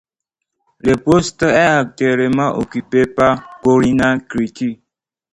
Le poste est actuellement occupé par Corina Crețu.